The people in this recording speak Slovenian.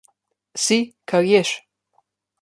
Si, kar ješ.